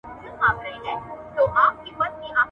ناڅاپي بدلونونه ټولنه ګډوډوي.